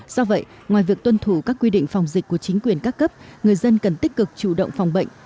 do vậy ngoài việc tuân thủ các quy định phòng dịch của chính quyền các cấp người dân cần tích cực chủ động phòng bệnh